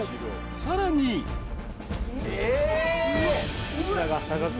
［さらに］えっ！？